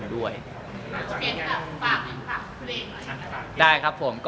ด้วยครับผม